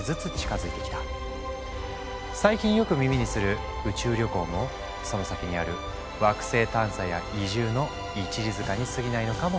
最近よく耳にする宇宙旅行もその先にある惑星探査や移住の一里塚にすぎないのかもしれない。